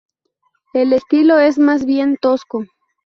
El estilo es más bien tosco.